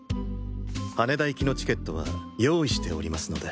羽田行きのチケットは用意しておりますので。